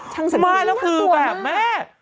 จังใจอีกนักตัวนะไม่แล้วคือแบบแม่